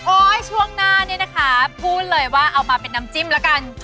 ช่วงหน้าเนี่ยนะคะพูดเลยว่าเอามาเป็นน้ำจิ้มแล้วกัน